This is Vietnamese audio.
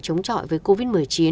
chống chọi với covid một mươi chín